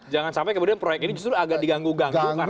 jangan sampai kemudian proyek ini justru agak diganggu ganggu